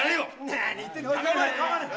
何言ってんだ？